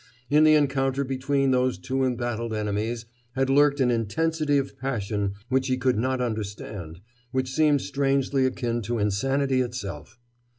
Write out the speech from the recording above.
In the encounter between those two embattled enemies had lurked an intensity of passion which he could not understand, which seemed strangely akin to insanity itself.